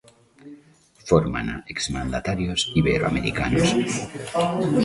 Fórmana exmandatarios iberoamericanos.